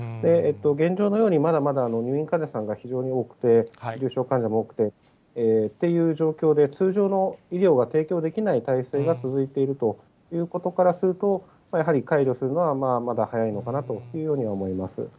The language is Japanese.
現状のように、まだまだ入院患者さんが非常に多くて、重症患者も多くてという状況で、通常の医療が提供できない体制が続いているということからすると、やはり解除するのはまだ早いのかなというふうには思います。